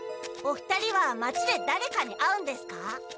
お二人は町でだれかに会うんですか？